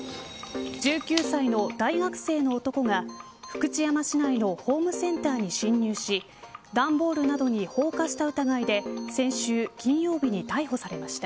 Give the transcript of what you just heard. １９歳の大学生の男が福知山市内のホームセンターに侵入し段ボールなどに放火した疑いで先週金曜日に逮捕されました。